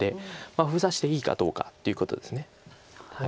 封鎖していいかどうかっていうことです。